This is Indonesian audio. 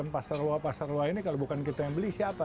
pasar luar ini kalau bukan kita yang beli siapa